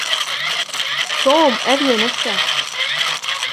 توم اذي نفسه.